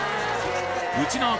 ウチナー